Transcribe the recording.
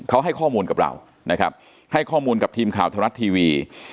เขาให้ข้อมูลกับเรานะครับให้ข้อมูลกับทีมข่าวธรรมรัฐทีวี